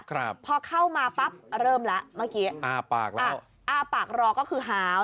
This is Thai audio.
ครับพอเข้ามาปั๊บเริ่มแล้วเมื่อกี้อ้าปากแล้วอ้าวอ้าปากรอก็คือหาว